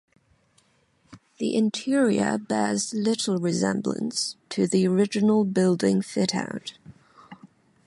The interior bears little resemblance to the original building fitout.